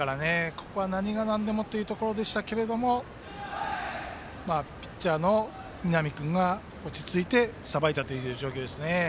ここは何がなんでもというところでしたがピッチャーの南君が落ち着いてさばいたという状況です。